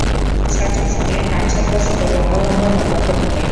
সঠিক সময়ে, কাটছাঁট পোশাকে, লম্বা লম্বা পদক্ষেপ নিয়ে!